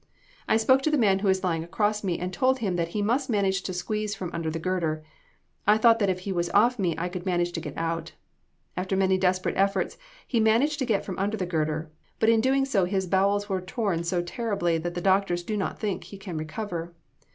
"I spoke to the man who was lying across me and told him that he must manage to squeeze from under the girder. I thought that if he was off me I could manage to get out. After many desperate efforts he managed to get from under the girder, but in doing so his bowels were torn so terribly that the doctors do not think he can recover.